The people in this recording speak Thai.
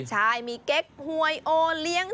ใช่มีเก๊กหวยโอเลี้ยง